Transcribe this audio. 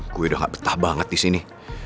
gue udah gak betah banget disini